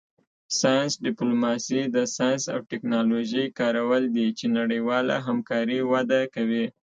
ساینس ډیپلوماسي د ساینس او ټیکنالوژۍ کارول دي چې نړیواله همکاري وده کوي